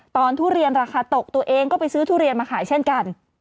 ทุเรียนราคาตกตัวเองก็ไปซื้อทุเรียนมาขายเช่นกัน